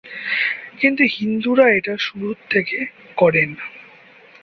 কিন্তু হিন্দুরা এটা শুরুর থেকে করেন।